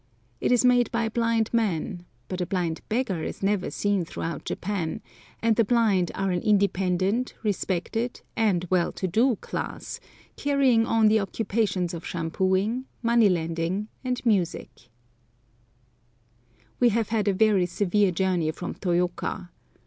It is made by blind men; but a blind beggar is never seen throughout Japan, and the blind are an independent, respected, and well to do class, carrying on the occupations of shampooing, money lending, and music. [Picture: Myself in a Straw Rain Cloak] We have had a very severe journey from Toyôka.